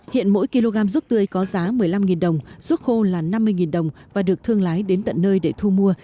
hiện mỗi kg ruốc tươi có giá một mươi năm đồng ruốc khô là năm mươi đồng và được thương lái đến tận nơi để thu mua